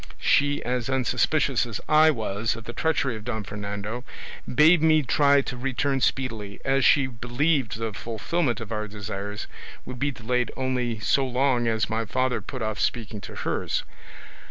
She, as unsuspicious as I was of the treachery of Don Fernando, bade me try to return speedily, as she believed the fulfilment of our desires would be delayed only so long as my father put off speaking to hers.